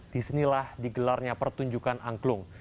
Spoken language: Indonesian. disinilah digelarnya pertunjukan angklung